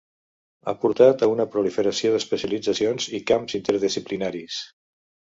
Ha portat a una proliferació d'especialitzacions i camps interdisciplinaris.